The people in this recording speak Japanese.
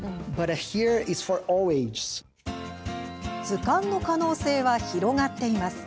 図鑑の可能性は広がっています。